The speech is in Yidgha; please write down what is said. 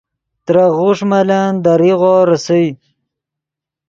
ترے غوݰ ملن دے ریغو ریسئے